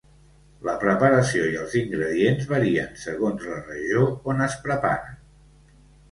La preparació i els ingredients varien segons la regió on es prepare.